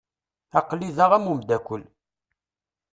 Aql-i da am umdakel.